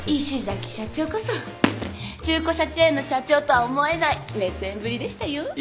石崎社長こそ中古車チェーンの社長とは思えない熱演ぶりでしたよ。